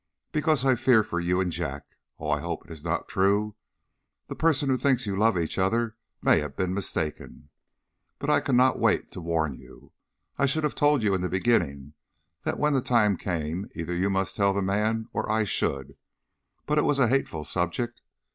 "Because I fear you and Jack Oh, I hope it is not true. The person who thinks you love each other may have been mistaken. But I could not wait to warn you. I should have told you in the beginning that when the time came either you must tell the man or I should; but it was a hateful subject.